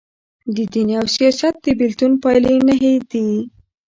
د دین او سیاست د بیلتون پایلي نهه دي.